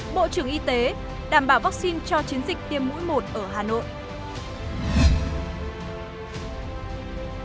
bộ trưởng y tế đảm bảo vaccine cho chiến dịch tiêm mũi một ở hà nội